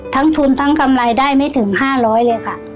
ทั้งทุนทั้งกำไรได้ไม่ถึง๕๐๐เลยค่ะ